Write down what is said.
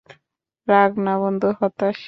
রাগ না বন্ধু, হতাশ।